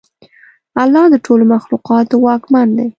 الله د ټولو مخلوقاتو واکمن دی.